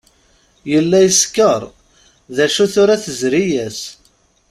Yella yeskeṛ, d acu tura tezri-as.